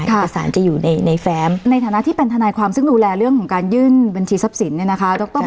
เอกสารจะอยู่ในแฟมในฐานะที่เป็นทนายความซึ่งดูแลเรื่องของการยื่นบัญชีทรัพย์สินเนี่ยนะคะ